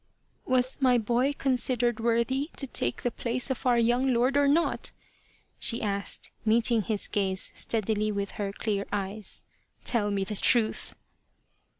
" Was my boy considered worthy to take the place of our young lord or not ?" she asked, meeting his gaze steadily with her clear eyes. " Tell me the truth